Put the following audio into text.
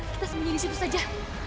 kita sembunyi disitu saja